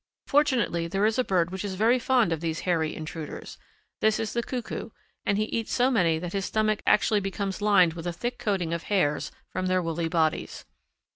Fortunately there is a bird which is very fond of these hairy intruders. This is the Cuckoo, and he eats so many that his stomach actually becomes lined with a thick coating of hairs from their woolly bodies.